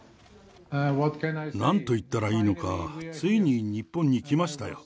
なんと言ったらいいのか、ついに日本に来ましたよ。